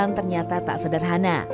jurusan ternyata tak sederhana